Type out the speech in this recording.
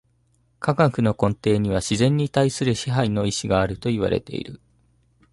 科学の根底には自然に対する支配の意志があるといわれている。